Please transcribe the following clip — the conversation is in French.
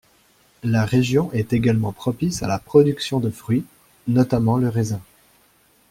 La région est également propice à la production de fruits, notamment le raisin.